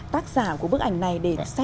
tác giả của bức ảnh này